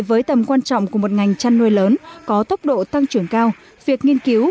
với tầm quan trọng của một ngành chăn nuôi lớn có tốc độ tăng trưởng cao việc nghiên cứu